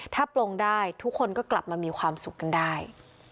ถ้าปลงได้ทุกคนก็กลับมามีความสุขกันได้